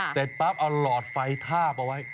เสร็จปั๊บเอาหลอดไฟทาบเอาไว้